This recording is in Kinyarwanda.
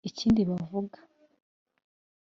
Ikindi bavuga